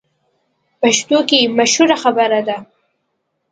پښتو کې مشهوره خبره ده: